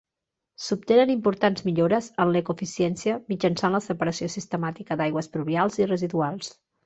S'obtenen importants millores en l'eco-eficiència mitjançant la separació sistemàtica d'aigües pluvials i residuals.